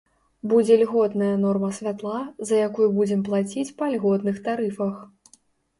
Будзе льготная норма святла, за якую будзем плаціць па льготных тарыфах.